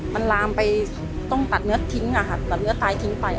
มันลามไปต้องตัดเนื้อทิ้งตัดเนื้อตายทิ้งไป